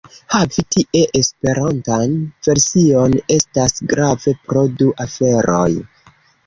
Havi tie Esperantan version estas grave pro du aferoj.